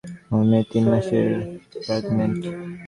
আমার মেয়ে তিন মাসের প্র্যাগনেন্ট।